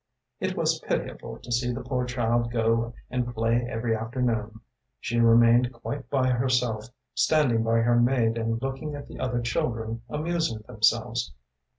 “It was pitiable to see the poor child go and play every afternoon. She remained quite by herself, standing by her maid and looking at the other children amusing themselves.